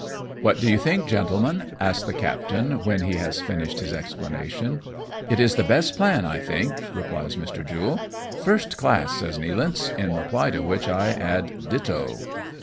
" What do you think, gentlemen ?" asks the captain, when he has finished his explanation. " It is the best plan, I think," replies Mr. Jule. " First class," says Nealance ; in reply to which I add " ditto."